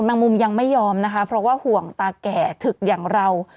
งมุมยังไม่ยอมนะคะเพราะว่าห่วงตาแก่ถึกอย่างเรา